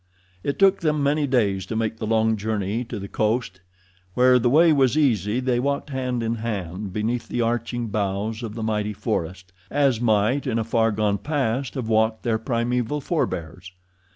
It took them many days to make the long journey to the coast. Where the way was easy they walked hand in hand beneath the arching boughs of the mighty forest, as might in a far gone past have walked their primeval forbears.